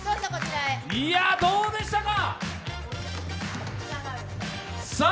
どうでしたか？